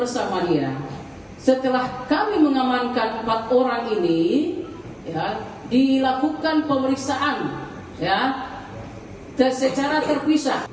setelah kami mengamankan empat orang ini dilakukan pemeriksaan secara terpisah